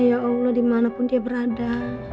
ya allah dimanapun dia berada